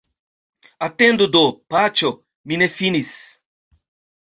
Atendu do, paĉjo, mi ne finis.